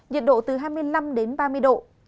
nhiệt độ từ hai mươi năm đến ba mươi độ